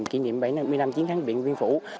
kỷ niệm bảy mươi năm chiến thắng biện viên phủ